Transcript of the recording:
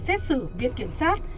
xét xử viên kiểm sát